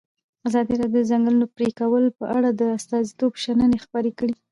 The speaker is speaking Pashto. ازادي راډیو د د ځنګلونو پرېکول په اړه د استادانو شننې خپرې کړي.